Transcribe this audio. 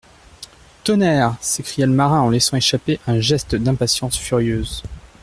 Tonnerre ! s'écria le marin en laissant échapper un geste d'impatience furieuse.